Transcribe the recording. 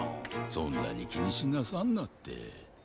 そんなにきにしなさんなって。